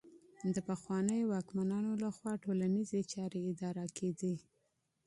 د پخوانيو واکمنانو لخوا ټولنيزې چارې اداره کيدې.